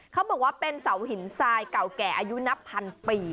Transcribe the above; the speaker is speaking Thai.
เขาบอกว่าเป็นเสาหินทรายเก่าแก่อายุนับพันปี